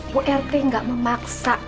bu rt gak memaksa